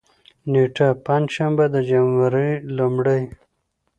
نېټه: پنجشنبه، د جنوري لومړۍ